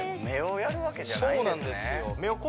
目をやるわけじゃないんですね